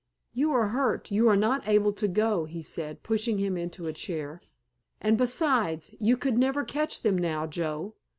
"You are hurt—you are not able to go," he said, pushing him into a chair. "And besides, you could never catch them now, Joe.